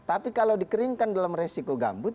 tapi kalau dikeringkan dalam resiko gambut